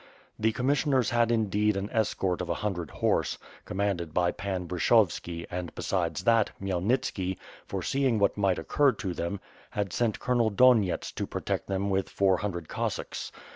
The com missioners had indeed an escort of a hundred horse, com manded by Pan Bryshovski and, besides that, Khmyelnitski, foreseeing what might occur to them, had sent Colonel Don yets to protect them with four hundred Cossacks.